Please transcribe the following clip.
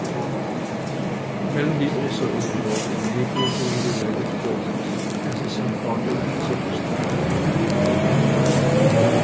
Mellanby also is involved in many autism-related causes as his son Carter is autistic.